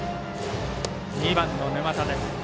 ２番の沼田です。